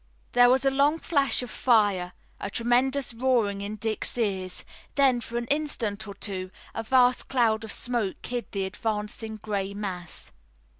There was a long flash of fire, a tremendous roaring in Dick's ears, then for an instant or two a vast cloud of smoke hid the advancing gray mass.